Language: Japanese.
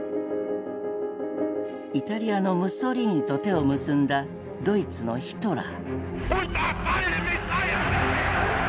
イタリアのムッソリーニと手を結んだドイツのヒトラー。